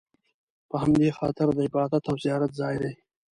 په همدې خاطر د عبادت او زیارت ځای دی.